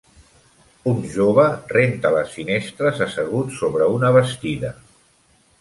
Un jove renta les finestres assegut sobre una bastida.